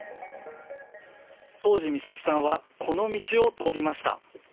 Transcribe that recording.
当時、美咲さんはこの道を通りました。